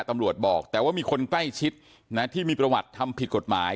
ตำรวจบอกแต่ว่ามีคนใกล้ชิดนะที่มีประวัติทำผิดกฎหมาย